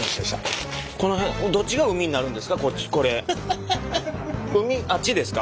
この辺どっちが海になるんですか？